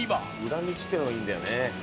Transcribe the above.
裏道っていうのがいいんだよね。